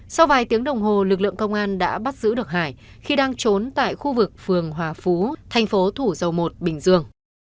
sau vài tiếng đồng hồ lực lượng công an đã bắt giữ được hải khi đang trốn tại khu vực phường hòa phú thành phố thủ dầu một bình dương